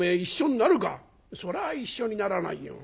「そりゃ一緒にならないよ。